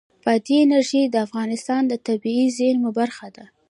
بادي انرژي د افغانستان د طبیعي زیرمو برخه ده.